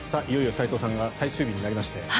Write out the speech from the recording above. いよいよ斎藤さんが最終日になりまして。